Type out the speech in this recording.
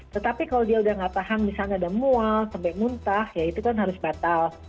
tetapi kalau dia udah gak paham misalnya ada mual sampai muntah ya itu kan harus batal